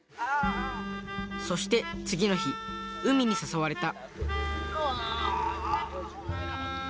そして次の日海に誘われた。